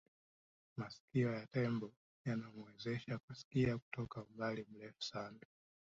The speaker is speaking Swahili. masikio ya tembo yanamuwezesha kusikia kutoka umbali mrefu sana